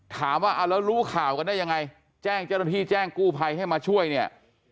ถามว่าเอาแล้วรู้ข่าวกันได้ยังไงแจ้งเจ้าหน้าที่แจ้งกู้ภัยให้มาช่วยเนี่ย